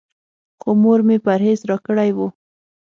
خو مور مې پرهېز راکړی و.